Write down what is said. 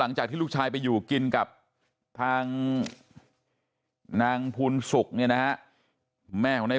หลังจากที่ลูกชายไปอยู่กินกับทางนางภูนศุกร์เนี่ยนะฮะแม่ของนาย